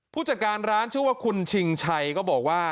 ผู้จัดการร้านชื่อว่าคุณชิงชัยก็บอกว่า